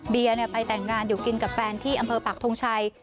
ไปแต่งงานอยู่กินกับแฟนที่อำเภอปักทงชัย